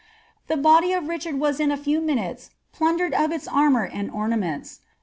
The body of Richard was in a few minutes plundered of its armour and ornaments.'